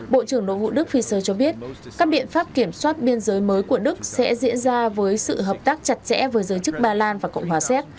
bộ trưởng nội vụ đức fiser cho biết các biện pháp kiểm soát biên giới mới của đức sẽ diễn ra với sự hợp tác chặt chẽ với giới chức ba lan và cộng hòa séc